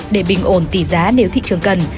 để bình ổn tỷ giá nếu thị trường cần